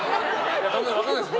分かんないです。